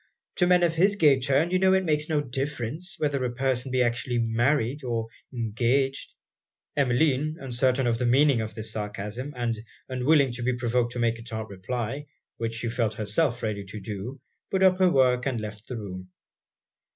To men of his gay turn you know it makes no difference, whether a person be actually married or engaged.' Emmeline, uncertain of the meaning of this sarcasm, and unwilling to be provoked to make a tart reply, which she felt herself ready to do, put up her work and left the room.